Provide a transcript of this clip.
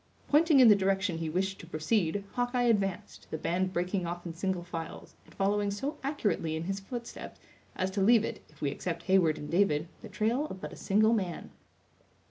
Pointing in the direction he wished to proceed, Hawkeye advanced, the band breaking off in single files, and following so accurately in his footsteps, as to leave it, if we except Heyward and David, the trail of but a single man.